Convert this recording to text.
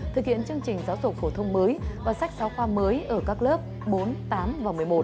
thực hiện chương trình giáo dục phổ thông mới và sách giáo khoa mới ở các lớp bốn tám và một mươi một